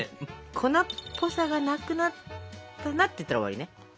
粉っぽさがなくなったなっていったら終わりね！